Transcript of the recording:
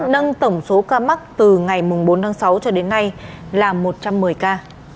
nâng tổng số ca mắc từ ngày bốn tháng sáu cho đến nay là một trăm một mươi ca